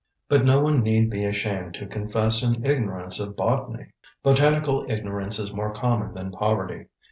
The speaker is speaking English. But no one need be ashamed to confess an ignorance of botany. Botanical ignorance is more common than poverty.